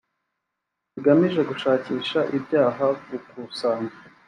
kigamije gushakisha ibyaha gukusanya